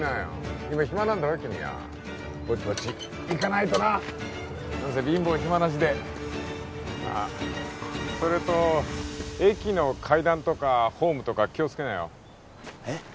今暇なんだろ君はぼちぼち行かないとな何せ貧乏暇なしであッそれと駅の階段とかホームとか気をつけなよえッ？